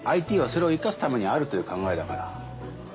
ＩＴはそれを生かすためにあるという考えだから。